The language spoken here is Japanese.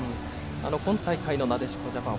今大会のなでしこジャパン